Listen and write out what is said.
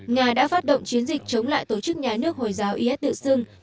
nga đã phát động chiến dịch chống lại tổ chức nhà nước hồi giáo is tự xưng